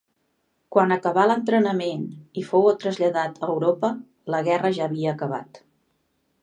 Quan acabà l'entrenament i fou traslladat a Europa, la guerra ja havia acabat.